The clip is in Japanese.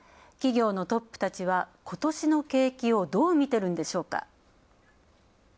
企業のトップたちは今年の景気をどう見てるんでしょうか。